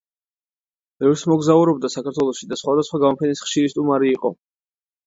ბევრს მოგზაურობდა საქართველოში და სხვადასხვა გამოფენის ხშირი სტუმარი იყო.